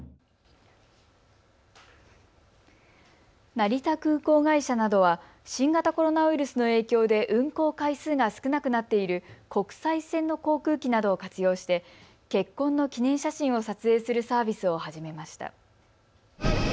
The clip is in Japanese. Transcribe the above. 成田空港会社などは新型コロナウイルスの影響で運航回数が少なくなっている国際線の航空機などを活用して結婚の記念写真を撮影するサービスを始めました。